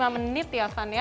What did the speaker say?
lima menit ya van ya